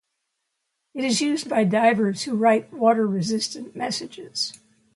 It is used by divers who write water-resistant messages.